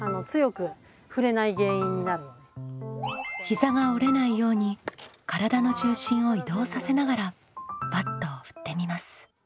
膝が折れないように体の重心を移動させながらバットを振ってみます。